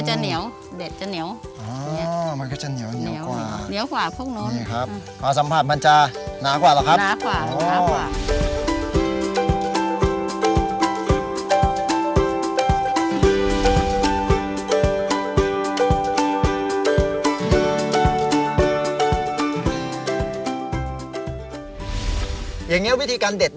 อย่างนี้วิธีการเด็ดอะไรยังไงบ้างเพราะมาลองสาธิตให้ดูหน่อย